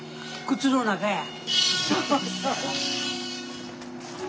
靴の中や！